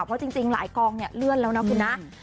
เพราะจริงหลายกองเนี่ยเลื่อนแล้วนะคุณนะ